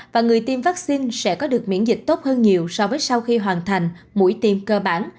và người tiêm vaccine sẽ có được miễn dịch tốt hơn nhiều so với sau khi hoàn thành mũi tiêm cơ bản